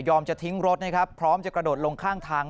ยอมจะทิ้งรถพร้อมจะกระโดดลงข้างทาง